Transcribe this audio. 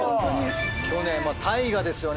去年大河ですよね